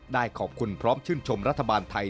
ได้ขอบคุณพร้อมชื่นชมรัฐบาลไทย